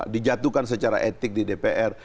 dijatuhkan secara etik di dpr